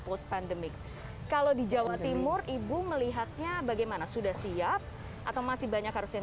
post pandemic kalau di jawa timur ibu melihatnya bagaimana sudah siap atau masih banyak harus yang